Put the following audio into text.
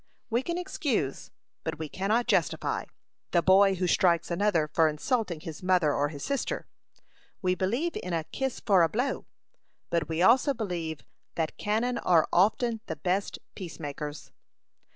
We can excuse, but we cannot justify, the boy who strikes another for insulting his mother or his sister. We believe in a "kiss for a blow," but we also believe that cannon are often the best peacemakers.